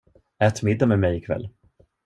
Ät middag med mig i kväll.